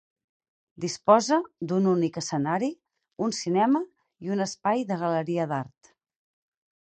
Disposa d'un únic escenari, un cinema i un espai de galeria d'art.